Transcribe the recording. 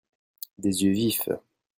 des yeux vifs.